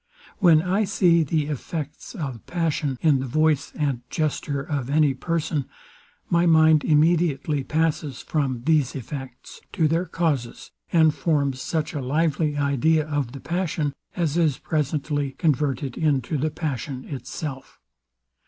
When I see the effects of passion in the voice and gesture of any person, my mind immediately passes from these effects to their causes, and forms such a lively idea of the passion, as is presently converted into the passion itself.